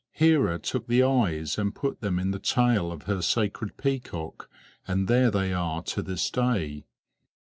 Hera took the eyes and put them in the tail of her sacred peacock, and there they are to this day.